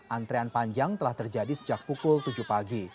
antrean panjang telah terjadi sejak pukul tujuh pagi